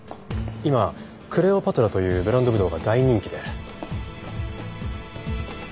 今クレオパトラというブランドぶどうが大人気で。